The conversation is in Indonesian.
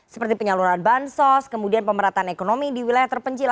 seperti penyaluran bansos kemudian pemerataan ekonomi di wilayah terpencil